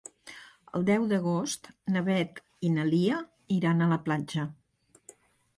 El deu d'agost na Beth i na Lia iran a la platja.